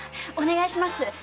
お願いします